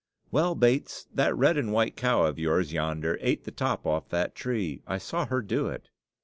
"Well, Bates, that red and white cow of yours yonder ate the top off that tree; I saw her do it."